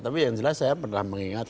tapi yang jelas saya pernah mengingat